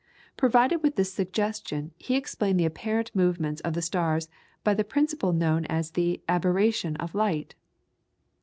Provided with this suggestion, he explained the apparent movements of the stars by the principle known as the "aberration of light."